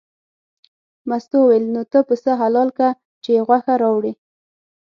مستو وویل نو ته پسه حلال که چې یې غوښه راوړې.